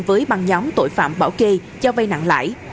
với băng nhóm tội phạm bảo kê cho vay nặng lãi